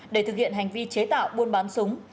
để thực hiện hành vi chế tạo buôn bán súng